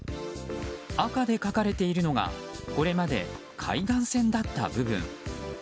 赤で書かれているのがこれまで海岸線だった部分。